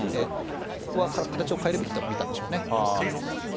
ここは形を変えるべきと見たんでしょうね。